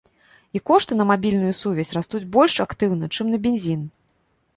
І кошты на мабільную сувязь растуць больш актыўна, чым на бензін.